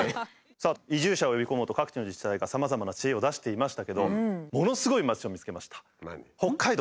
さあ移住者を呼び込もうと各地の自治体がさまざまな知恵を出していましたけどものすごい町を見つけました。